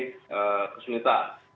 jadi ini memang kesulitan